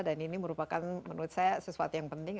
dan ini merupakan menurut saya sesuatu yang penting